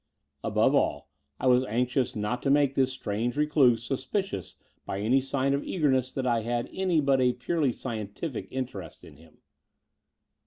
Above all, I was anxious not to make this strange recluse suspicious by any sign of eagerness that I had any but a ptirdy scientific interest in him.